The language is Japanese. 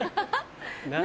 何？